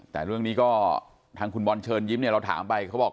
แต่เรื่องนี้ก็ทางคุณบอลเชิญยิ้มเนี่ยเราถามไปเขาบอก